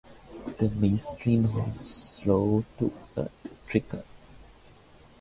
The millstream had slowed to a trickle.